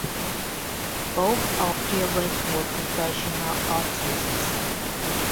Both her parents were professional artists.